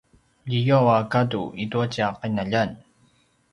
liyaw a gadu itua tja qinaljan